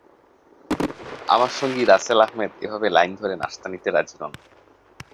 আমার সঙ্গী রাসেল আহমেদ এভাবে লাইন ধরে নাশতা নিতে রাজি নন।